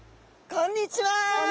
こんにちは！